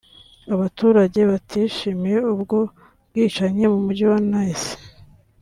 abaturage batishimiye ubwo bwicanyi mu Mujyi wa Nice